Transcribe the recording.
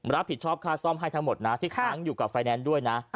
รับผิดชอบค่าซ่อมให้ทั้งหมดนะที่ค้างอยู่กับไฟแนนซ์ด้วยนะ